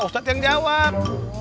ustadz yang jawab